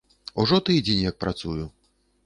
Ужо тыдзень як працую.